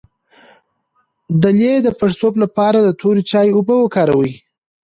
د لۍ د پړسوب لپاره د تور چای اوبه وکاروئ